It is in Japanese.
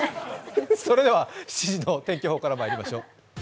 それでは７時の天気予報からまいりましょう。